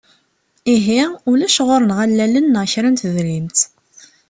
Ihi, ulac ɣur-neɣ allalen neɣ kra n tedrimt.